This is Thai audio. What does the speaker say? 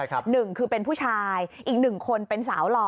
หนึ่งคือเป็นผู้ชายอีกหนึ่งคนเป็นสาวหล่อ